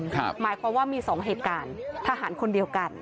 หมายความว่ามี๒เหตุการณ์ทหารคนเดียวกัน